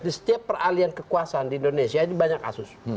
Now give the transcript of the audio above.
di setiap peralian kekuasaan di indonesia ini banyak kasus